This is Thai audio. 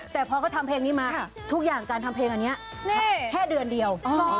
แต่พอเขาทำเพลงนี้มาทุกอย่างการทำเพลงอันนี้แค่เดือนเดียว